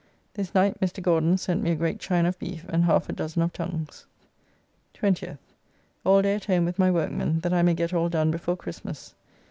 This night Mr. Gauden sent me a great chine of beef and half a dozen of tongues. 20th. All day at home with my workmen, that I may get all done before Christmas.